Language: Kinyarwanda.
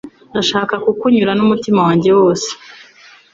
Ndashaka kukunyura n’umutima wanjye wose